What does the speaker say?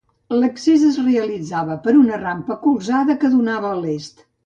L'accés es realitzava per una rampa colzada que donava a l'est.